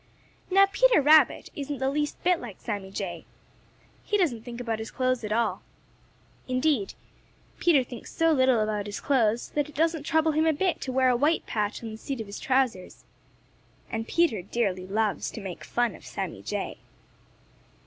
Now Peter Rabbit isn't the least bit like Sammy Jay. He doesn't think about his clothes at all. Indeed, Peter thinks so little about his clothes that it doesn't trouble him a bit to wear a white patch on the seat of his trousers. And Peter dearly loves to make fun of Sammy Jay.